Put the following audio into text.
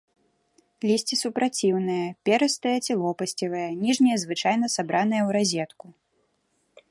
Лісце супраціўнае, перыстае ці лопасцевае, ніжняе звычайна сабранае ў разетку.